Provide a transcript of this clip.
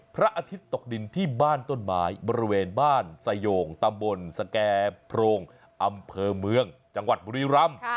พระอาทิตย์ตกดินที่บ้านต้นไม้บริเวณบ้านสโยงตำบลสแก่โพรงอำเภอเมืองจังหวัดบุรีรำ